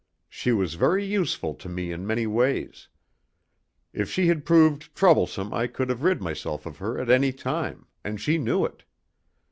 She was very useful to me in many ways. If she had proved troublesome I could have rid myself of her at any time, and she knew it.